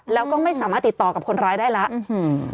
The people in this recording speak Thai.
แล้วก็ไม่สามารถติดต่อกับคนร้ายได้แล้วอืม